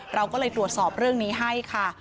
เราก็เลยตรวจสอบเรื่องนี้ให้ค่ะ